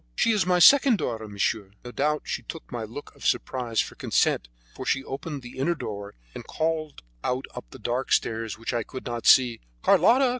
She is my second daughter, monsieur." No doubt she took my look of surprise for consent, for she opened the inner door and called out up the dark stairs which I could not see: "Carlotta!